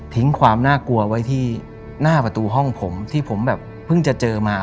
ความน่ากลัวไว้ที่หน้าประตูห้องผมที่ผมแบบเพิ่งจะเจอมา